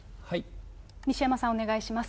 西山さん、お願いします。